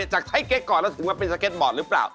จากใช้เก็ตก่อนแล้วถึงมาเป็นสเก็ตบอร์ดหรือเปล่า